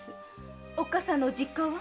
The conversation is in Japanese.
おっかさんの実家は？